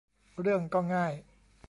เรื่องก็ง่าย